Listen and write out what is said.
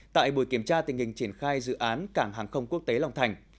tại buổi kiểm tra tình hình triển khai dự án cảng hàng không quốc tế long thành